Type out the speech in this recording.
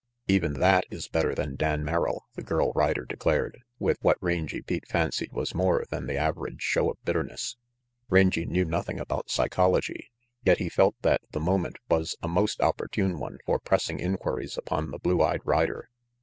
"Even that is better than Dan Merrill," the girl rider declared, with what Rangy Pete fancied was more than the average show of bitterness. Rangy knew nothing about psychology, yet he felt that the moment was a most opportune one for pressing inquiries upon the blue eyed rider.